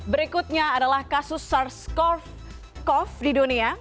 berikutnya adalah kasus sars cov di dunia